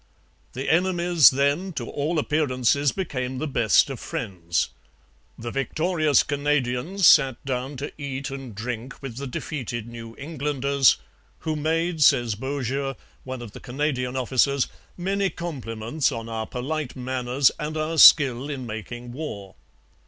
The enemies then, to all appearances, became the best of friends. The victorious Canadians sat down to eat and drink with the defeated New Englanders, who made, says Beaujeu, one of the Canadian officers, 'many compliments on our polite manners and our skill in making war.'